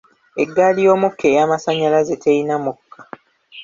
Eggaali y'omukka ey'amasannyalaze teyina mukka.